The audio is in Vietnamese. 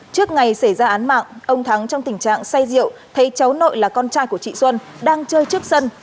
trước ngày xảy ra án mạng ông thắng trong tình trạng say rượu thấy cháu nội là con trai của chị xuân đang chơi trước sân